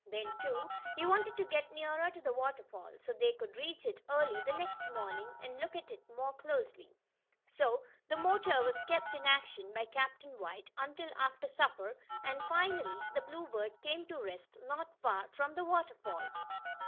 Then, too, he wanted to get nearer to the waterfall, so they could reach it early the next morning and look at it more closely. So the motor was kept in action by Captain White until after supper, and finally the Bluebird came to rest not far from the waterfall.